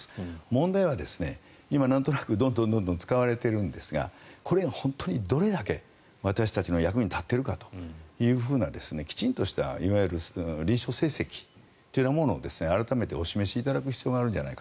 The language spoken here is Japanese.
問題は今、なんとなくどんどん使われているんですがこれが本当にどれだけ私たちの役に立っているかというきちんとした臨床成績というのは改めてお示しいただく必要があるのではと。